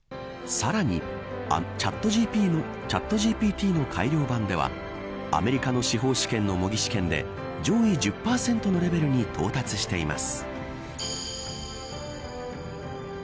さらにチャットＧＰＴの改良版ではアメリカの司法試験の模擬試験で上位１０％のレベルに到達しています。